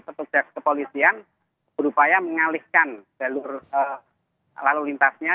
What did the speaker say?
petugas kepolisian berupaya mengalihkan jalur lalu lintasnya